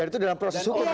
itu dalam proses hukum ya